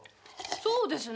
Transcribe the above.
そうですね。